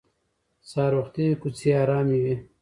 سهار وختي کوڅې ارامې وي